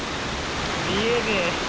見えねえ。